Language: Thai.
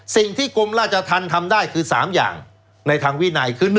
สิ่งที่กรมราชธรรมทำได้คือ๓อย่างในทางวินัยคือ